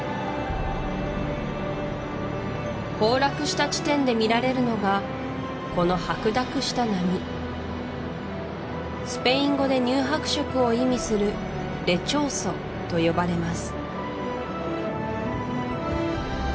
崩落した地点で見られるのがこの白濁した波スペイン語で乳白色を意味する「レチョーソ」と呼ばれます